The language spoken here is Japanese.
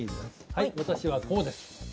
はい私はこうです。